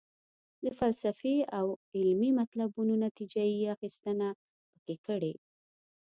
د فلسفي او علمي مطلبونو نتیجه یې اخیستنه پکې کړې.